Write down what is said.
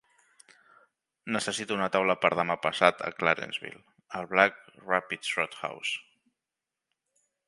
Necessito una taula per demà passat a Clarenceville al Black Rapids Roadhouse